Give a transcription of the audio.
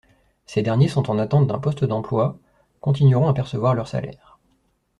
Ces derniers, sont en attente d’un poste d’emploi, continueront à percevoir leurs salaires.